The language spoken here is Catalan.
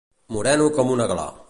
Moreno com una gla.